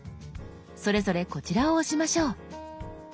それぞれこちらを押しましょう。